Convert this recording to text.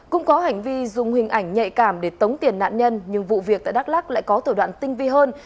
cũng có hành vi dùng hình ảnh nhạy cảm để tống tiền nạn nhân nhưng vụ việc tại đắk lắc lại có tổ đoạn tinh vi hơn